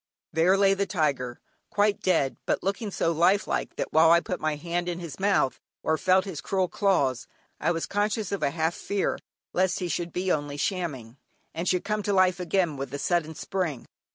There lay the tiger, quite dead, but looking so lifelike that while I put my hand in his mouth or felt his cruel claws, I was conscious of a half fear lest he should be only shamming, and should come to life again with a sudden spring.